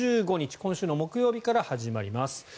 今週の木曜日から始まります。